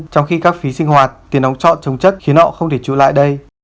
trong khi các phí sinh hoạt tiền đóng trọn chống chất khiến họ không thể trụ lại đây